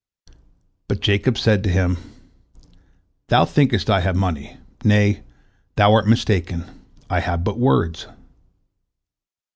But Jacob said to him: "Thou thinkest I have money. Nay, thou art mistaken, I have but words."